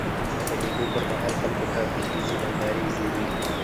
د مېلو پر مهال خلکو ته دودیزي نندارې جوړيږي.